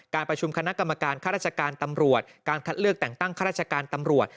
ประชุมคณะกรรมการค่าราชการตำรวจการคัดเลือกแต่งตั้งข้าราชการตำรวจ